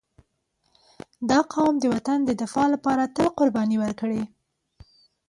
• دا قوم د وطن د دفاع لپاره تل قرباني ورکړې.